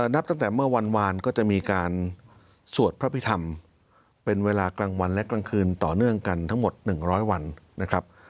นับตั้งแต่เมื่อวานก็จะมีการสวดพระพิธรรมเป็นเวลากลางวันและกลางคืนต่อเนื่องกันทั้งหมด๑๐๐วันนะครับ